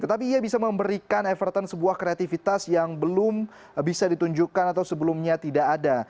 tetapi ia bisa memberikan everton sebuah kreativitas yang belum bisa ditunjukkan atau sebelumnya tidak ada